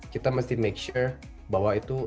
kita mesti pastikan bahwa itu